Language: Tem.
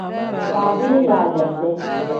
Faadini yaayande.